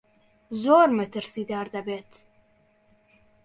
زۆر مەترسیدار دەبێت.